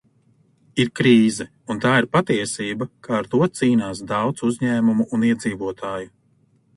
Ir krīze, un tā ir patiesība, ka ar to cīnās daudz uzņēmumu un iedzīvotāju.